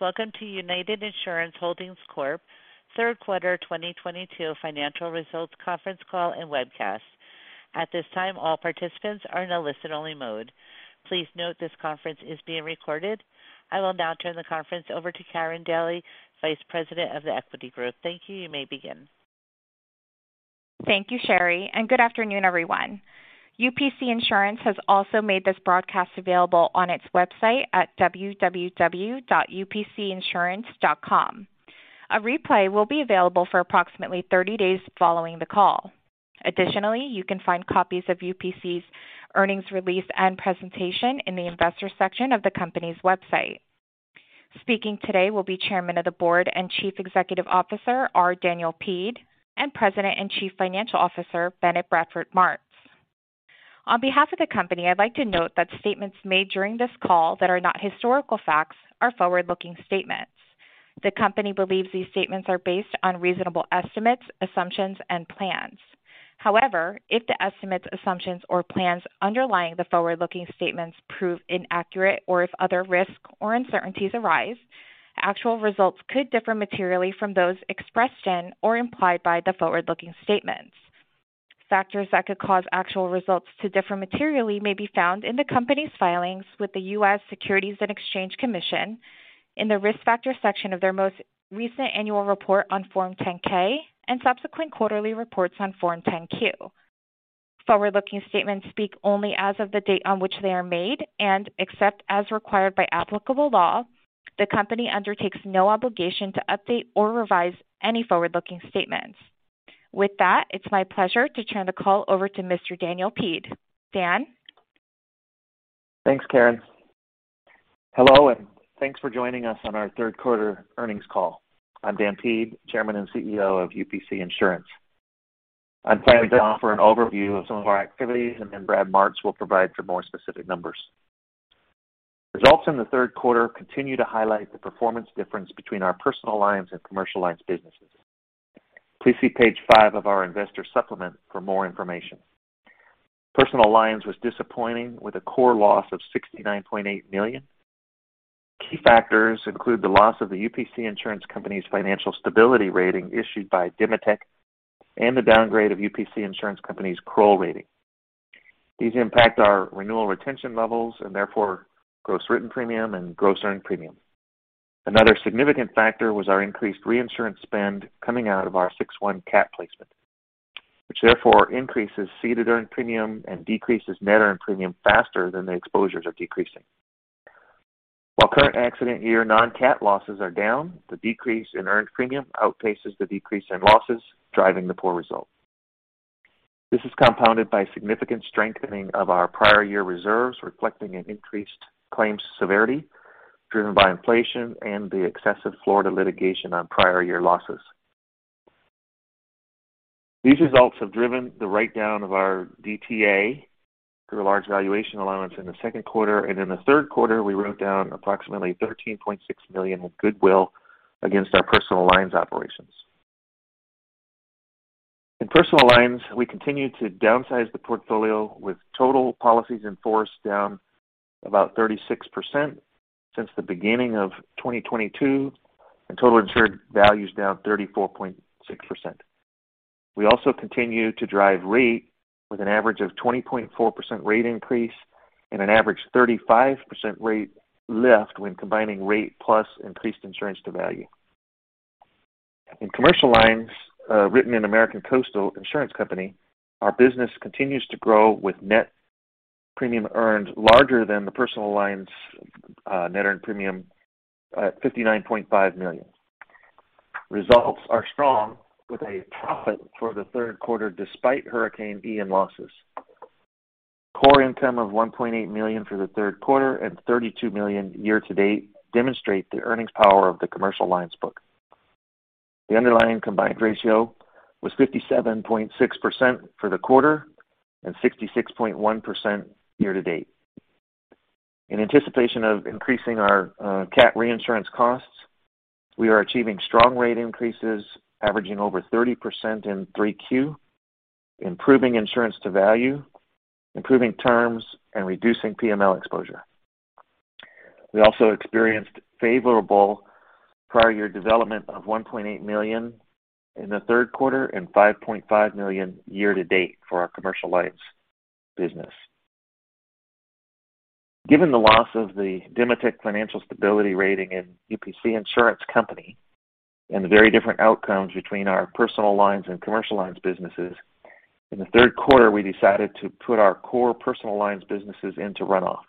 Welcome to United Insurance Holdings Corp. third quarter 2022 financial results conference call and webcast. At this time, all participants are in a listen-only mode. Please note this conference is being recorded. I will now turn the conference over to Karen Daly, Vice President of the Equity Group. Thank you. You may begin. Thank you, Sherry, and good afternoon, everyone. UPC Insurance has also made this broadcast available on its website at www.upcinsurance.com. A replay will be available for approximately 30 days following the call. Additionally, you can find copies of UPC's earnings release and presentation in the investor section of the company's website. Speaking today will be Chairman of the Board and Chief Executive Officer R. Daniel Peede, and President and Chief Financial Officer Bennett Bradford Martz. On behalf of the company, I'd like to note that statements made during this call that are not historical facts are forward-looking statements. The company believes these statements are based on reasonable estimates, assumptions, and plans. However, if the estimates, assumptions, or plans underlying the forward-looking statements prove inaccurate or if other risks or uncertainties arise, actual results could differ materially from those expressed in or implied by the forward-looking statements. Factors that could cause actual results to differ materially may be found in the company's filings with the U.S. Securities and Exchange Commission in the Risk Factor section of their most recent annual report on Form 10-K and subsequent quarterly reports on Form 10-Q. Forward-looking statements speak only as of the date on which they are made, and except as required by applicable law, the company undertakes no obligation to update or revise any forward-looking statements. With that, it's my pleasure to turn the call over to Mr. Daniel Peede. Dan? Thanks, Karen. Hello, and thanks for joining us on our third quarter earnings call. I'm Dan Peede, Chairman and CEO of UPC Insurance. I'm planning to offer an overview of some of our activities, and then Brad Martz will provide for more specific numbers. Results in the third quarter continue to highlight the performance difference between our personal lines and commercial lines businesses. Please see page five of our investor supplement for more information. Personal lines was disappointing with a core loss of $69.8 million. Key factors include the loss of the UPC Insurance company's financial stability rating issued by Demotech and the downgrade of UPC Insurance company's Kroll rating. These impact our renewal retention levels and therefore gross written premium and gross earned premium. Another significant factor was our increased reinsurance spend coming out of our six one cat placement, which therefore increases ceded earned premium and decreases net earned premium faster than the exposures are decreasing. While current accident year non-cat losses are down, the decrease in earned premium outpaces the decrease in losses, driving the poor results. This is compounded by significant strengthening of our prior year reserves, reflecting an increased claims severity driven by inflation and the excessive Florida litigation on prior year losses. These results have driven the write-down of our DTA through a large valuation allowance in the second quarter, and in the third quarter, we wrote down approximately $13.6 million of goodwill against our personal lines operations. In personal lines, we continue to downsize the portfolio with total policies in force down about 36% since the beginning of 2022, and total insured value is down 34.6%. We also continue to drive rate with an average of 20.4% rate increase and an average 35% rate lift when combining rate plus increased insurance to value. In commercial lines, written in American Coastal Insurance Company, our business continues to grow with net premium earned larger than the personal lines, net earned premium at $59.5 million. Results are strong with a profit for the third quarter despite Hurricane Ian losses. Core income of $1.8 million for the third quarter and $32 million year to date demonstrate the earnings power of the commercial lines book. The underlying combined ratio was 57.6% for the quarter and 66.1% year to date. In anticipation of increasing our cat reinsurance costs, we are achieving strong rate increases averaging over 30% in 3Q, improving insurance to value, improving terms, and reducing PML exposure. We also experienced favorable prior year development of $1.8 million in the third quarter and $5.5 million year to date for our commercial lines business. Given the loss of the Demotech financial stability rating in UPC Insurance Company and the very different outcomes between our personal lines and commercial lines businesses, in the third quarter, we decided to put our core personal lines businesses into runoff.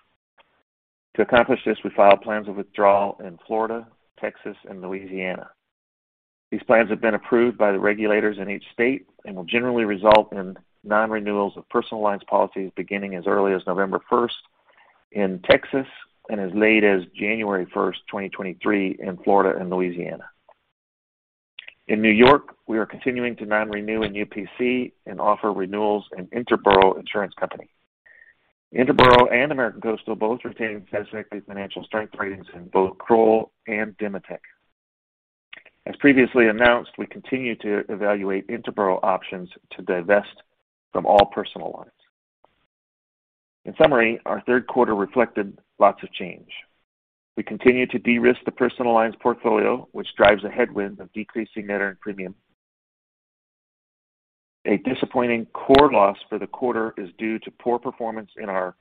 To accomplish this, we filed plans of withdrawal in Florida, Texas, and Louisiana. These plans have been approved by the regulators in each state and will generally result in non-renewals of personal lines policies beginning as early as November 1 in Texas and as late as January 1, 2023 in Florida and Louisiana. In New York, we are continuing to non-renew in UPC and offer renewals in Interboro Insurance Company. Interboro and American Coastal both retain satisfactory financial strength ratings in both Kroll and Demotech. As previously announced, we continue to evaluate Interboro options to divest from all personal lines. In summary, our third quarter reflected lots of change. We continue to de-risk the personal lines portfolio, which drives a headwind of decreasing net earned premium. A disappointing core loss for the quarter is due to poor performance in our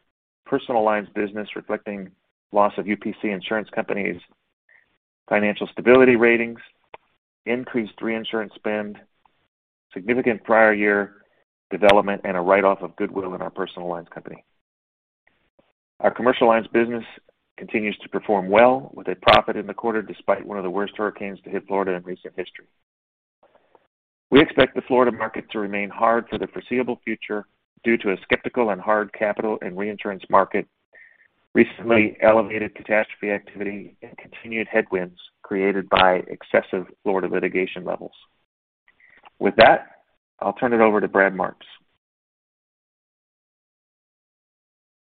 personal lines business, reflecting loss of UPC Insurance companies' financial stability ratings, increased reinsurance spend, significant prior year development, and a write-off of goodwill in our personal lines company. Our commercial lines business continues to perform well with a profit in the quarter, despite one of the worst hurricanes to hit Florida in recent history. We expect the Florida market to remain hard for the foreseeable future due to a skeptical and hard capital and reinsurance market, recently elevated catastrophe activity, and continued headwinds created by excessive Florida litigation levels. With that, I'll turn it over to Brad Martz.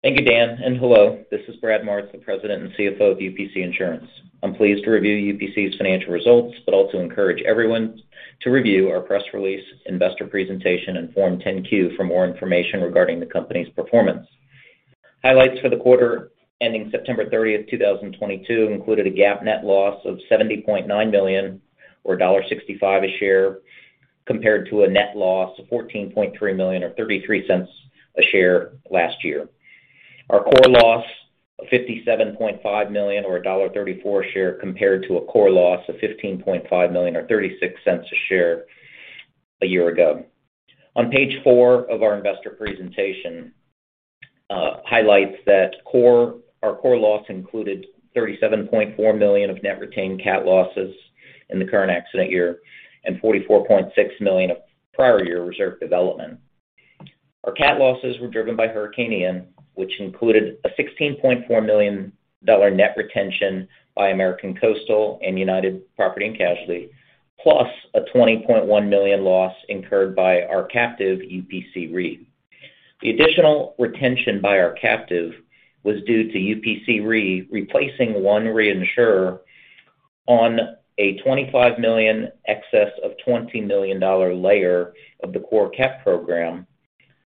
Thank you, Dan, and hello. This is Brad Martz, the President and CFO of UPC Insurance. I'm pleased to review UPC's financial results, but also encourage everyone to review our press release investor presentation and Form 10-Q for more information regarding the company's performance. Highlights for the quarter ending September 30, 2022 included a GAAP net loss of $70.9 million or $0.65 a share, compared to a net loss of $14.3 million or $0.33 a share last year. Our core loss of $57.5 million or $0.34 a share compared to a core loss of $15.5 million or $0.36 a share a year ago. On page four of our investor presentation, highlights that our core loss included $37.4 million of net retained cat losses in the current accident year and $44.6 million of prior year reserve development. Our cat losses were driven by Hurricane Ian, which included a $16.4 million net retention by American Coastal and United Property and Casualty, plus a $20.1 million loss incurred by our captive, UPC Re. The additional retention by our captive was due to UPC Re replacing one reinsurer on a $25 million excess of $20 million layer of the core cat program,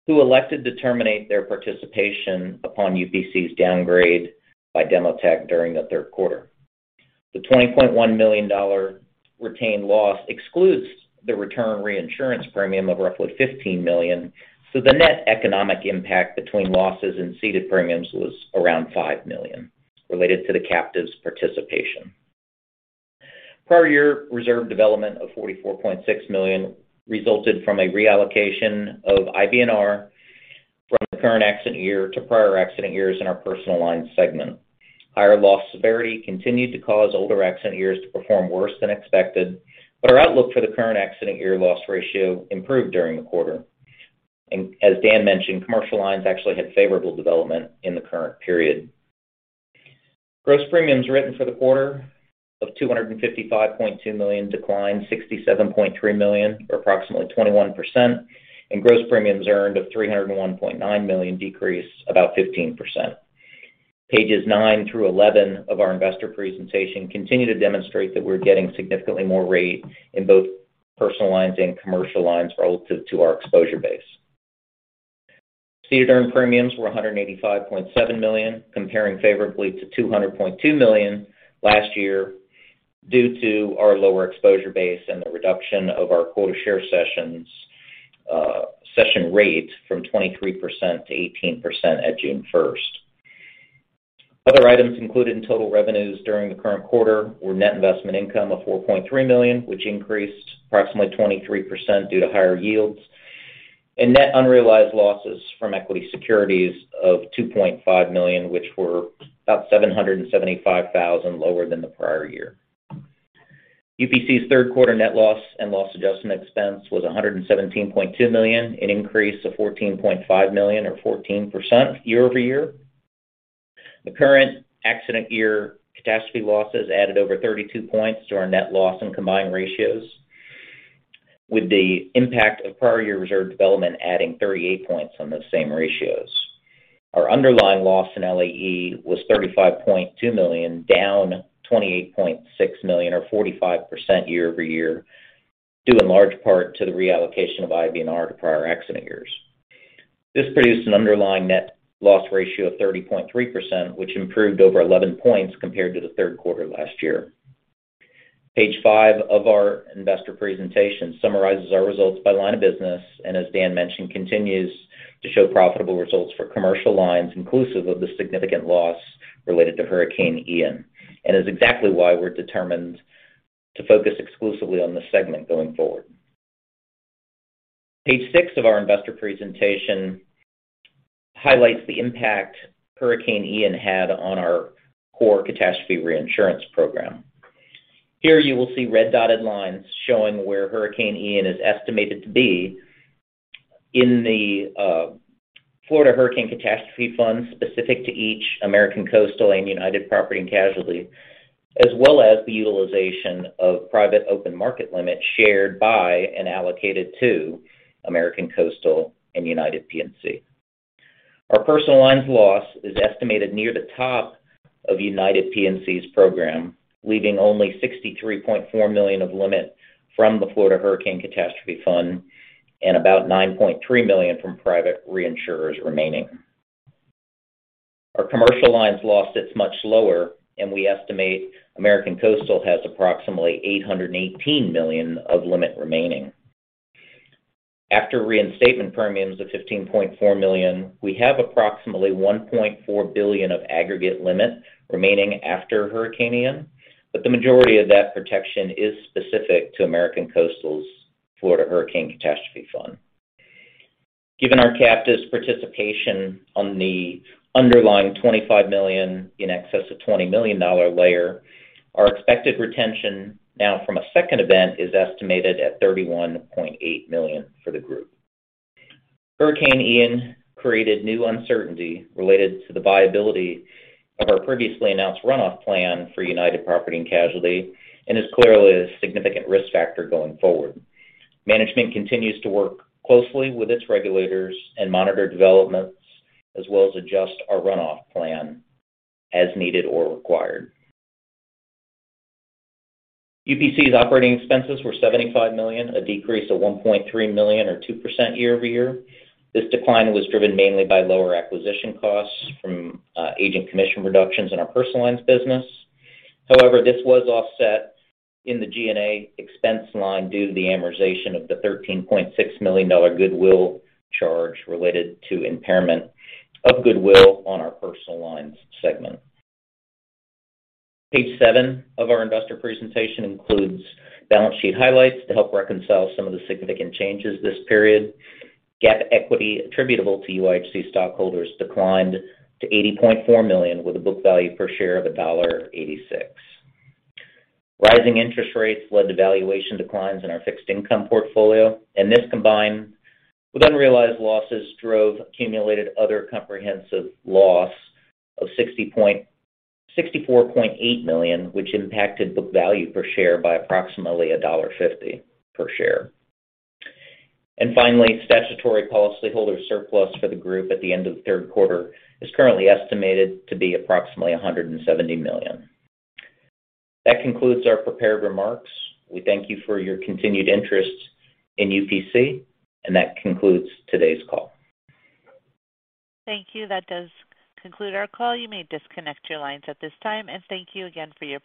who elected to terminate their participation upon UPC's downgrade by Demotech during the third quarter. The $20.1 million retained loss excludes the return reinsurance premium of roughly $15 million. The net economic impact between losses and ceded premiums was around $5 million related to the captive's participation. Prior year reserve development of $44.6 million resulted from a reallocation of IBNR from the current accident year to prior accident years in our personal lines segment. Higher loss severity continued to cause older accident years to perform worse than expected, but our outlook for the current accident year loss ratio improved during the quarter. As Dan mentioned, commercial lines actually had favorable development in the current period. Gross premiums written for the quarter of $255.2 million declined $67.3 million, or approximately 21%, and gross premiums earned of $301.9 million, decreased about 15%. Pages nine through 11 of our investor presentation continue to demonstrate that we're getting significantly more rate in both personal lines and commercial lines relative to our exposure base. Ceded earned premiums were $185.7 million, comparing favorably to $200.2 million last year due to our lower exposure base and the reduction of our quota share cessions, session rate from 23% to 18% at June first. Other items included in total revenues during the current quarter were net investment income of $4.3 million, which increased approximately 23% due to higher yields, and net unrealized losses from equity securities of $2.5 million, which were about $775,000 lower than the prior year. UPC's third quarter net loss and loss adjustment expense was $117.2 million, an increase of $14.5 million or 14% year-over-year. The current accident year catastrophe losses added over 32 points to our net loss and combined ratios, with the impact of prior year reserve development adding 38 points on those same ratios. Our underlying loss and LAE was $35.2 million, down $28.6 million or 45% year-over-year, due in large part to the reallocation of IBNR to prior accident years. This produced an underlying net loss ratio of 30.3%, which improved over 11 points compared to the third quarter last year. Page five of our investor presentation summarizes our results by line of business, and as Dan mentioned, continues to show profitable results for commercial lines inclusive of the significant loss related to Hurricane Ian, and is exactly why we're determined to focus exclusively on this segment going forward. Page six of our investor presentation highlights the impact Hurricane Ian had on our core catastrophe reinsurance program. Here you will see red dotted lines showing where Hurricane Ian is estimated to be in the Florida Hurricane Catastrophe Fund specific to each American Coastal and United Property & Casualty, as well as the utilization of private open market limits shared by and allocated to American Coastal and United P&C. Our personal lines loss is estimated near the top of United P&C's program, leaving only $63.4 million of limit from the Florida Hurricane Catastrophe Fund and about $9.3 million from private reinsurers remaining. Our commercial lines loss is much lower, and we estimate American Coastal has approximately $818 million of limit remaining. After reinstatement premiums of $15.4 million, we have approximately $1.4 billion of aggregate limit remaining after Hurricane Ian, but the majority of that protection is specific to American Coastal's Florida Hurricane Catastrophe Fund. Given our captive participation on the underlying $25 million in excess of $20 million dollar layer, our expected retention now from a second event is estimated at $31.8 million for the group. Hurricane Ian created new uncertainty related to the viability of our previously announced runoff plan for United Property and Casualty and is clearly a significant risk factor going forward. Management continues to work closely with its regulators and monitor developments, as well as adjust our runoff plan as needed or required. UPC's operating expenses were $75 million, a decrease of $1.3 million or 2% year-over-year. This decline was driven mainly by lower acquisition costs from agent commission reductions in our personal lines business. However, this was offset in the GNA expense line due to the amortization of the $13.6 million goodwill charge related to impairment of goodwill on our personal lines segment. Page seven of our investor presentation includes balance sheet highlights to help reconcile some of the significant changes this period. GAAP equity attributable to UIHC stockholders declined to $80.4 million, with a book value per share of $1.86. Rising interest rates led to valuation declines in our fixed income portfolio, and this, combined with unrealized losses, drove accumulated other comprehensive loss of 64.8 million, which impacted book value per share by approximately $1.50 per share. Finally, statutory policyholder surplus for the group at the end of the third quarter is currently estimated to be approximately 170 million. That concludes our prepared remarks. We thank you for your continued interest in UPC, and that concludes today's call. Thank you. That does conclude our call. You may disconnect your lines at this time, and thank you again for your participation.